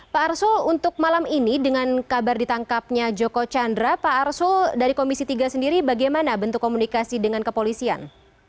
pak arsul untuk malam ini dengan kabar ditangkapnya joko chandra pak arsul dari komisi tiga sendiri bagaimana bentuk komunikasi dengan kepolisian